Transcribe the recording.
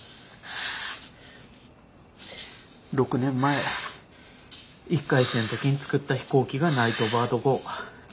６年前１回生ん時に作った飛行機がナイトバード号。